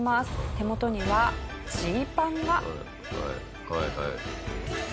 手元にはジーパンが。